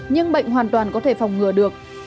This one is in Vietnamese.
nhưng bệnh hoàn toàn có thể phòng ngừa được